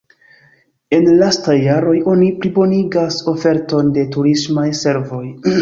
En lastaj jaroj oni plibonigas oferton de turismaj servoj.